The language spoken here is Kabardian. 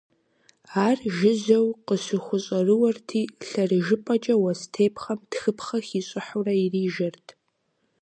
Ар жыжьэу къыщыхущӀэрыуэрти лъэрыжэпэкӀэ уэс тепхъэм тхыпхъэ хищӀыхьурэ ирижэрт.